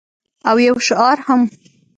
او یو شعار هم